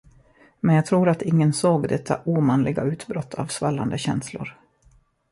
Men jag tror att ingen såg detta omanliga utbrott av svallande känslor.